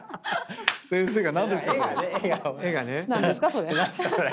それ」